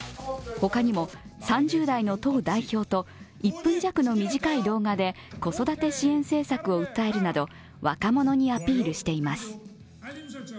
他にも３０代の党代表と１分弱の短い動画で子育て支援政策を訴えるなど若者にアピールしています。